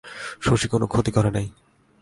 শশী কোনো ক্ষতি করে নাই।